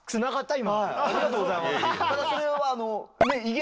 今。